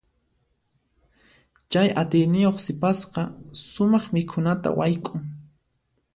Chay atiyniyuq sipasqa sumaq mikhunata wayk'un.